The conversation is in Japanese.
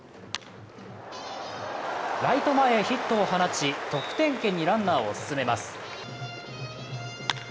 ライト前へヒットを放ち、得点圏にランナーを進めます。